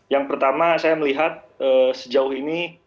yang pertama saya melihat sejauh ini